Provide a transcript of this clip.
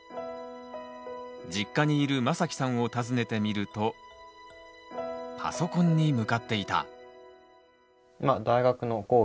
実家にいるまさきさんを訪ねてみるとパソコンに向かっていた。